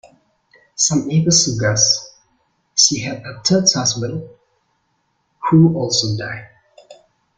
Some even suggest she had a third husband, who also died.